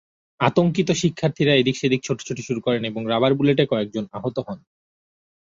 আতঙ্কিত শিক্ষার্থীরা এদিক-সেদিক ছোটাছুটি শুরু করেন এবং রাবার বুলেটে কয়েকজন আহত হন।